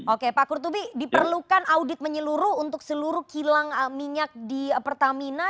oke pak kurtubi diperlukan audit menyeluruh untuk seluruh kilang minyak di pertamina